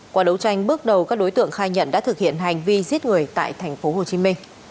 qua đấu tranh bước đầu các đối tượng khai nhận đã thực hiện hành vi giết người tại tp hcm